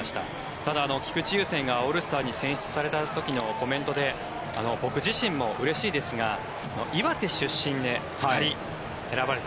ただ、菊池雄星がオールスターに選出された時のコメントで僕自身もうれしいですが岩手出身で２人選ばれた。